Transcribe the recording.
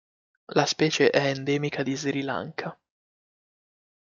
La specie è endemica di Sri Lanka.